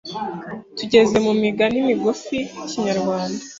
tugeze mu migani migufi y’ikinyarwanda